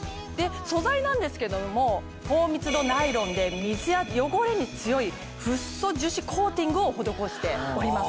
素材なんですけども高密度ナイロンで水や汚れに強いフッ素樹脂コーティングを施しております。